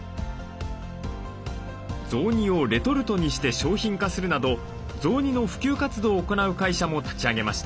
雑煮をレトルトにして商品化するなど雑煮の普及活動を行う会社も立ち上げました。